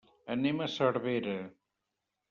Anem a Cervera.